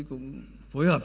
cũng phối hợp